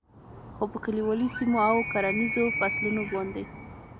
خو په کلیوالي سیمو او کرهنیزو فصلونو باندې